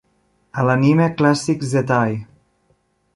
A l'Anime Classics Zettai!